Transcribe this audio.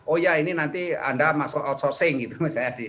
oh ya ini nanti anda masuk outsourcing gitu misalnya